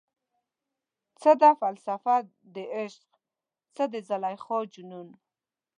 څه ده فلسفه دعشق، څه د زلیخا جنون؟